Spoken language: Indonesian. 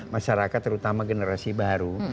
masyarakat terutama generasi baru